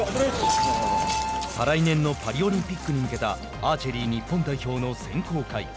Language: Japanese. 再来年のパリオリンピックに向けたアーチェリー日本代表の選考会。